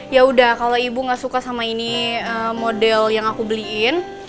ya udah kalau ibu gak suka sama ini model yang aku beliin